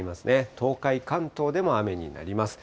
東海、関東でも雨になります。